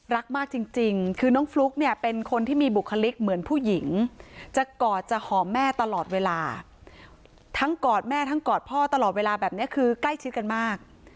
รักมากจริงคือน้องฟลุ๊กเนี่ยเป็นคนที่มีบุคลิกเหมือนผู้หญิงจะกอดจะหอมแม่ตลอดเวลาทั้งกอดแม่ทั้งกอดพ่อตลอดเวลาแบบนี้คือใกล้ชิดกันมาก